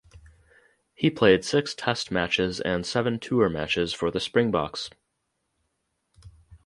He played six test matches and seven tour matches for the Springboks.